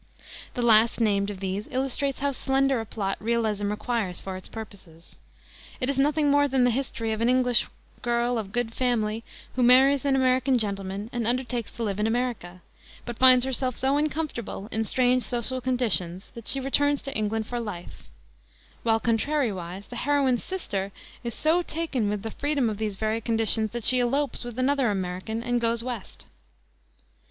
The last named of these illustrates how slender a plot realism requires for its purposes. It is nothing more than the history of an English girl of good family who marries an American gentleman and undertakes to live in America, but finds herself so uncomfortable in strange social conditions that she returns to England for life, while, contrariwise, the heroine's sister is so taken with the freedom of these very conditions that she elopes with another American and "goes West."